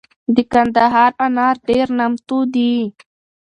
دکندهار انار دیر نامتو دي